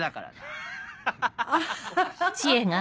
アハハハハ。